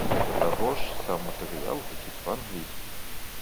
Да таго ж, сам матэрыял гучыць па-англійску.